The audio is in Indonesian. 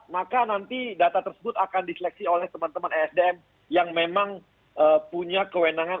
maka nanti data tersebut akan diseleksi oleh teman teman esdm yang memang punya kewenangan